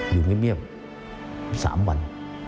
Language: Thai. อยู่เงียบ๓วัน